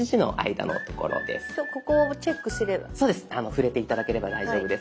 触れて頂ければ大丈夫です。